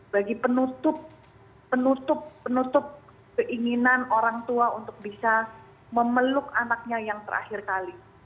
bagi penutup penutup keinginan orang tua untuk bisa memeluk anaknya yang terakhir kali